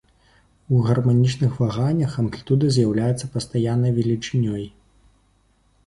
У гарманічных ваганнях амплітуда з'яўляецца пастаяннай велічынёй.